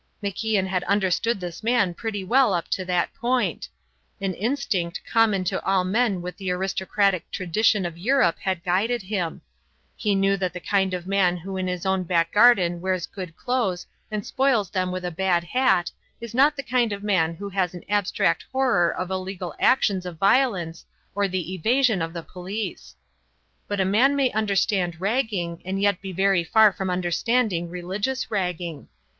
MacIan had understood his man pretty well up to that point; an instinct common to all men with the aristocratic tradition of Europe had guided him. He knew that the kind of man who in his own back garden wears good clothes and spoils them with a bad hat is not the kind of man who has an abstract horror of illegal actions of violence or the evasion of the police. But a man may understand ragging and yet be very far from understanding religious ragging.